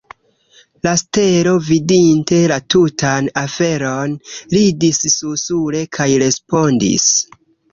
La stelo, vidinte la tutan aferon, ridis susure kaj respondis.